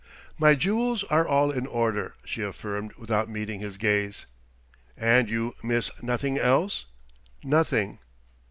"My jewels are all in order," she affirmed, without meeting his gaze. "And you miss nothing else?" "Nothing."